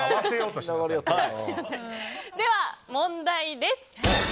では、問題です。